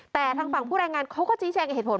แต่ทางฝั่งผู้แรงงานเขาก็ชี้แจงกับเหตุผล